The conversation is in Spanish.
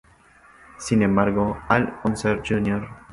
Sin embargo, Al Unser Jr.